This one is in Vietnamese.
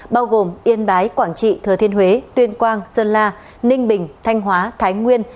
bao gồm yên bái quảng trị thừa thiên huế tuyên quang sơn la ninh bình thanh hóa thái nguyên